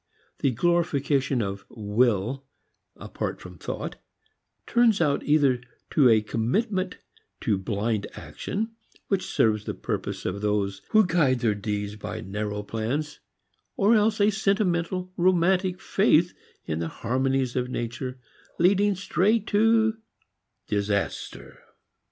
The glorification of "will" apart from thought turns out either a commitment to blind action which serves the purpose of those who guide their deeds by narrow plans, or else a sentimental, romantic faith in the harmonies of nature leading straight to disaster.